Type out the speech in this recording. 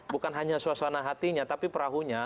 bukan hanya suasana hatinya tapi perahunya